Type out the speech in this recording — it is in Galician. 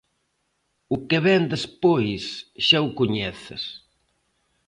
O que vén despois, xa o coñeces.